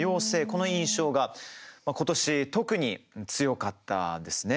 この印象が今年、特に強かったですね。